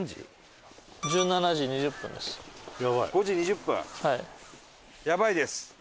１７時２０分です。